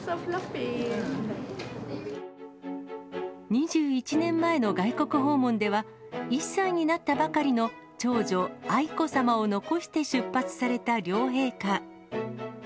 ２１年前の外国訪問では、１歳になったばかりの長女、愛子さまを残して出発された両陛下。